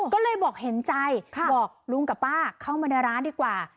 ก็เลยบอกเห็นใจบอกลุงกับป้าเข้ามาในร้านดีกว่า